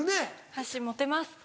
箸持てます。